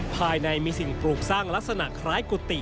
ภายในมีสิ่งปลูกสร้างลักษณะคล้ายกุฏิ